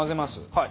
はい。